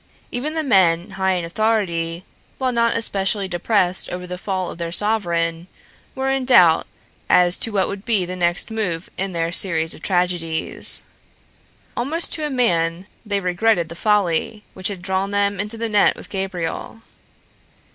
Even the men high in authority, while not especially depressed over the fall of their sovereign, were in doubt as to what would be the next move in their series of tragedies. Almost to a man they regretted the folly which had drawn them into the net with Gabriel.